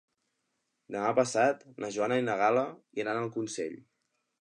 Demà passat na Joana i na Gal·la iran a Consell.